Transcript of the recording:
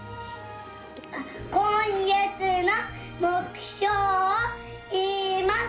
今月の目標を言います！